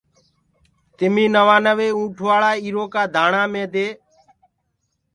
تميٚ نوآنوي اُنٚٺوآݪا ايٚرو ڪآ دآڻآ مي دي